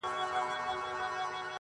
امتحان لره راغلی کوه کن د زمانې یم ,